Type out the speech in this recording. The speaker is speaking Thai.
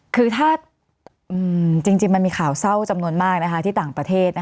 คือถ้าจริงมันมีข่าวเศร้าจำนวนมากที่ต่างประเทศ